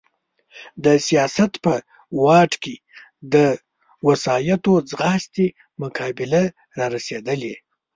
د سیاست په واټ کې د وسایطو ځغاستې مقابله را رسېدلې.